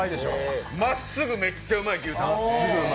まっすぐめっちゃうまい牛タンです。